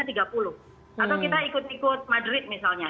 atau kita ikut ikut madrid misalnya